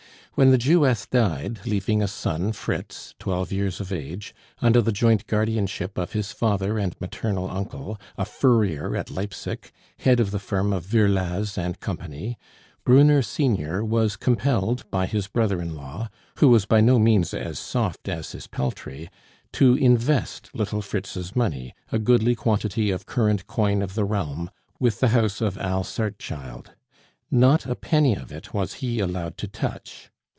When the Jewess died, leaving a son Fritz, twelve years of age, under the joint guardianship of his father and maternal uncle, a furrier at Leipsic, head of the firm of Virlaz and Company, Brunner senior was compelled by his brother in law (who was by no means as soft as his peltry) to invest little Fritz's money, a goodly quantity of current coin of the realm, with the house of Al Sartchild. Not a penny of it was he allowed to touch.